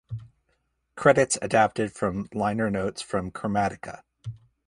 Credits adapted from liner notes from "Chromatica".